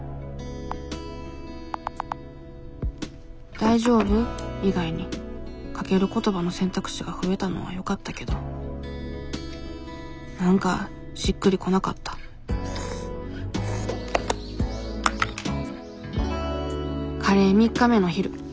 「大丈夫？」以外にかける言葉の選択肢が増えたのはよかったけど何かしっくりこなかったカレー３日目の昼。